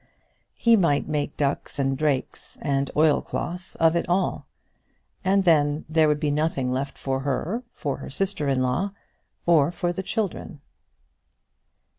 He might make ducks, and drakes, and oilcloth of it all; and then there would be nothing left for her, for her sister in law, or for the children.